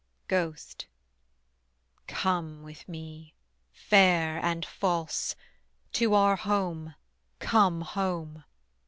GHOST. Come with me, fair and false, To our home, come home.